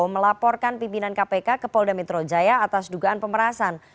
melaporkan pimpinan kpk ke polda metro jaya atas dugaan pemerasan